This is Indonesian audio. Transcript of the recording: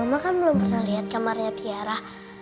mama kan belum pernah lihat kamarnya tiara